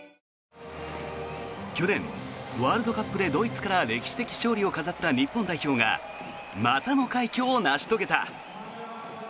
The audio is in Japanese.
去年、ワールドカップでドイツから歴史的勝利を飾った日本代表がまたも快挙を成し遂げた。